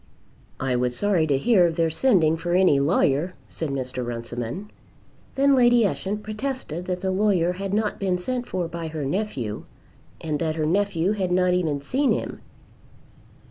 "I was sorry to hear of their sending for any lawyer," said Mr. Runciman. Then Lady Ushant protested that the lawyer had not been sent for by her nephew, and that her nephew had not even seen him.